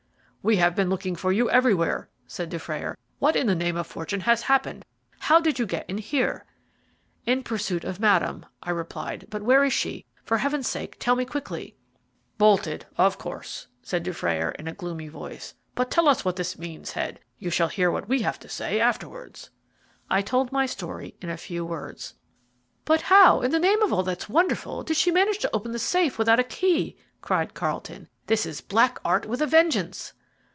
"We have been looking for you everywhere," said Dufrayer. "What in the name of fortune has happened? How did you get in here?" "In pursuit of Madame," I replied. "But where is she? For Heaven's sake, tell me quickly." "Bolted, of course," answered Dufrayer, in a gloomy voice; "but tell us what this means, Head. You shall hear what we have to say afterwards." I told my story in a few words. "But how, in the name of all that's wonderful, did she manage to open the safe without a key?" cried Carlton. "This is black art with a vengeance."